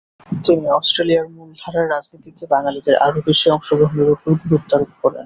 তিনি অস্ট্রেলিয়ার মূলধারার রাজনীতিতে বাঙালিদের আরও বেশি অংশগ্রহণের ওপর গুরুত্বারোপ করেন।